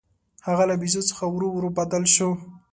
هغه له بیزو څخه ورو ورو بدل شو.